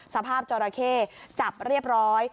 สภาพจอราเข้จับเรียบร้อย